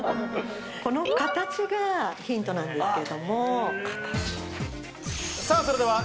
この形がヒントなんですけれど。